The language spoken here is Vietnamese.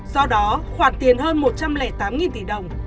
do đó khoản tiền hơn một trăm linh tám tỷ đồng